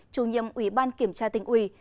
chủ nhiệm ủy ban kiểm tra tỉnh ủy